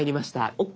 「ＯＫ」